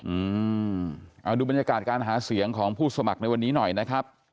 อืมเอาดูบรรยากาศการหาเสียงของผู้สมัครในวันนี้หน่อยนะครับ